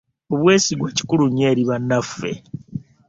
Obwe sigwa kikulu nnyo eri banaffe.